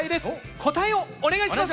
答えをお願いします。